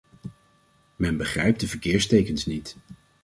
Men begrijpt de verkeerstekens niet.